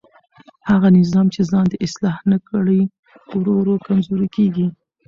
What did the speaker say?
هغه نظام چې ځان اصلاح نه کړي ورو ورو کمزوری کېږي